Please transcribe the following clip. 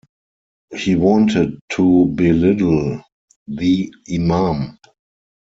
He wanted to belittle the Imam.